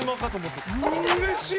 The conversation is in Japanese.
うれしい！